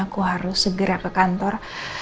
aku harus segera ke kantor